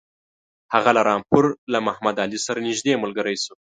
هغه له رامپور له محمدعلي سره نیژدې ملګری شو.